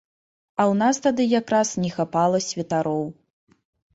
А ў нас тады якраз не хапала святароў.